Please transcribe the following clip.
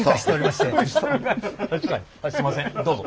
すんません。